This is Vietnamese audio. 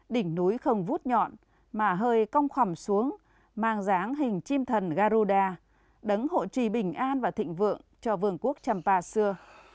đỉnh núi không vút nhọn mà hơi cong khòm xuống mang dáng hình chim thần garuda đấng hộ trì bình an và thịnh vượng cho vườn quốc trầm pà xưa